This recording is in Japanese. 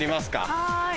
はい。